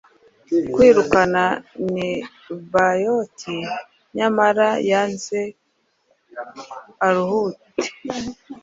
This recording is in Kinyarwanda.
Kwirukana Nebaioth, nyamara yaanze aruhute